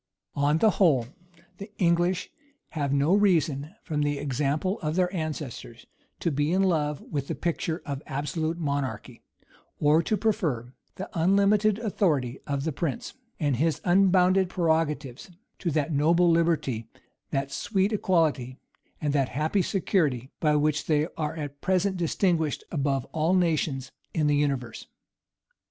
On the whole, the English have no reason, from the example of their ancestors, to be in love with the picture of absolute monarchy; or to prefer the unlimited authority of the prince and his unbounded prerogatives, to that noble liberty, that sweet equality, and that happy security, by which they are at present distinguished above all nations in the universe.